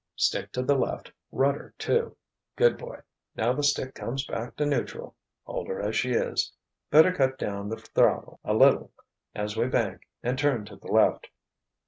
Stick to the left, rudder, too. Good boy. Now the stick comes back to neutral. Hold her as she is—better cut down the throttle a little as we bank and turn to the left."